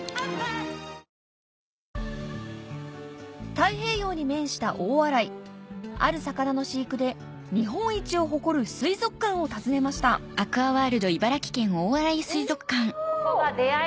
太平洋に面した大洗ある魚の飼育で日本一を誇る水族館を訪ねましたうわ！